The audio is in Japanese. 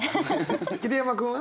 桐山君は？